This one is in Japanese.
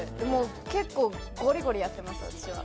結構ゴリゴリやってます、私は。